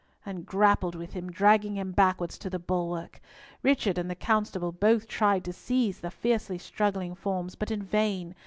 and grappled with him, dragging him backwards to the bulwark. Richard and the constable both tried to seize the fiercely struggling forms, but in vain.